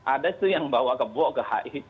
ada tuh yang bawa ke bok ke hi